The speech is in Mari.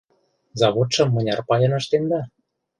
— Заводшым мыняр пайын ыштенда?